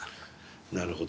なるほど。